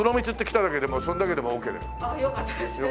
ああよかったです。